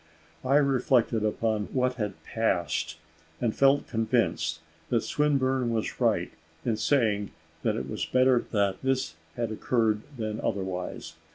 I reflected upon what had passed, and felt convinced that Swinburne was right in saying that it was better this had occurred than otherwise.